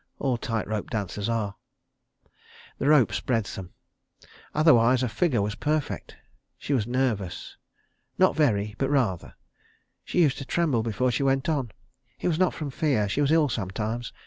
All tight rope dancers are. The rope spreads them. Otherwise her figure was perfect. She was nervous. Not very, but rather. She used to tremble before she went on. It was not from fear. She was ill sometimes.